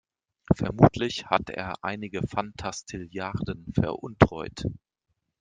Vermutlich hat er einige Fantastilliarden veruntreut.